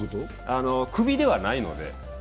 クビではないので。